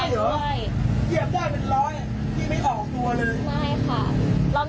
พี่พี่เรียกผมมาหน่อยก่อน